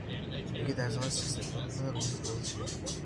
იგი დაკრძალეს ცისტერციანელთა ორდენის ეკლესიაში.